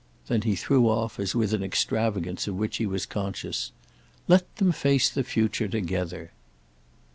Then he threw off as with an extravagance of which he was conscious: "Let them face the future together!"